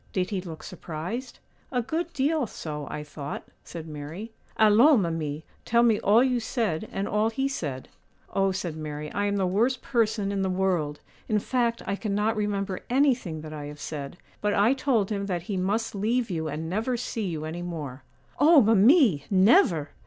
Did he look surprised?' 'A good deal so, I thought,' said Mary. 'Allons, mimi, tell me all you said and all he said.' 'Oh,' said Mary, 'I am the worst person in the world; in fact, I cannot remember anything that I have said; but I told him that he must leave you and never see you any more.' 'Oh, mimi! never!